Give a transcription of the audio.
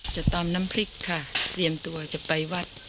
จะตำน้ำพริกค่ะเตรียมตัวจะไปวัด